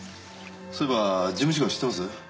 そういえば事務次官知ってます？